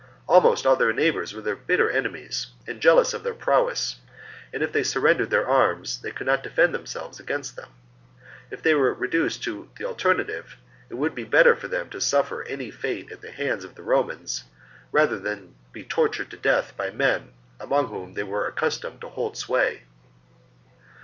Almost all their neighbours were their bitter enemies and jealous of their prowess, and if they surrendered their arms, they could not defend themselves against them. If they were reduced to the alternative, it would be better for them to suffer any fate at the hands of the Romans rather than to be tortured to death by men among whom they were accustomed to hold sway.